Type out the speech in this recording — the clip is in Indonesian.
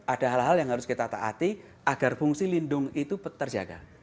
ada hal hal yang harus kita taati agar fungsi lindung itu terjaga